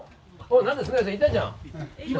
なんだ菅家さんいたじゃん。